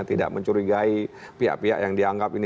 tidak mencurigai pihak pihak yang dianggap ini